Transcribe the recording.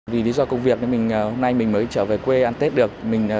vì lý do công việc mình hôm nay mình mới trở về quê ăn tết được